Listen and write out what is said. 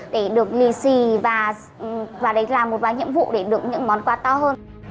để được lì xì và vào đấy làm một vài nhiệm vụ để được những món quà to hơn